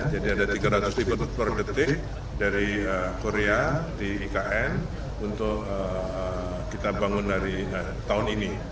jadi ada tiga ratus tipe per detik dari korea di ikn untuk kita bangun dari tahun ini